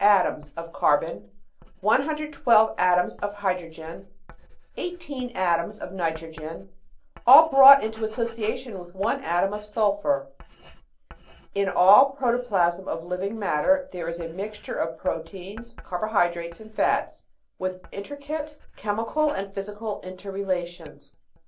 718 The Outline of Science lip by 72 atoms of carbon, 112 atoms of hydrogen, 18 atoms of nitrogen, all brought into association with one atom of sulphur. In all protoplasm of living matter there is a mixture of proteins, carbohydrates, and fats, with intricate chemical and physical inter relations.